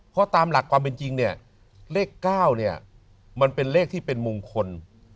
เพราะตามหลักความเป็นจริงเนี่ยเลข๙เนี่ยมันเป็นเลขที่เป็นมงคล